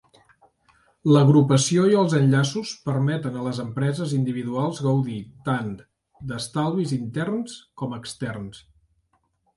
L'agrupació i els enllaços permeten a les empreses individuals gaudir tant d'estalvis interns com externs.